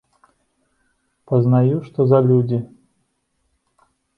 Пазнаю, што за людзі.